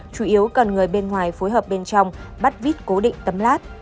chủ yếu cần người bên ngoài phối hợp bên trong bắt vít cố định tấm lát